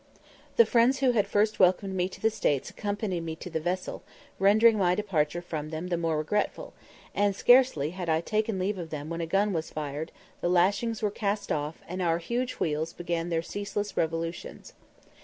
The friends who had first welcomed me to the States accompanied me to the vessel, rendering my departure from them the more regretful, and scarcely had I taken leave of them when a gun was fired, the lashings were cast off, and our huge wheels began their ceaseless revolutions.